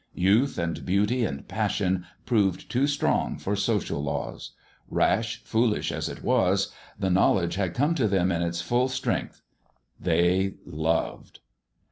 Youth and beauty and passion proved too strong for social laws. Bash, foolish as it was, the knowledge had come on them in its full strength. They loved.